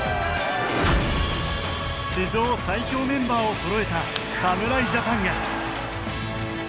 史上最強メンバーをそろえた侍ジャパンが。